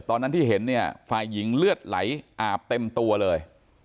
ตอนนั้นที่เห็นเนี่ยฝ่ายหญิงเลือดไหลอาบเต็มตัวเลย